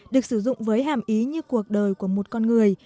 được sử dụng với hàm ý như cuộc đời của một con người